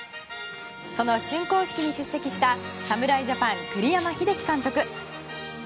その竣工式に出席した侍ジャパン、栗山英樹監督。